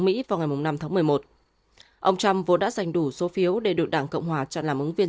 mỹ vào ngày năm tháng một mươi một ông trump vốn đã giành đủ số phiếu để được đảng cộng hòa chọn làm ứng viên